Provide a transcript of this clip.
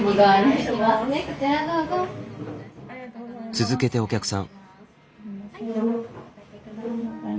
続けてお客さん。